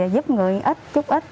giúp người ít chút ít